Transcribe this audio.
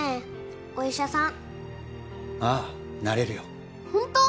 お医者さんああなれるよほんと？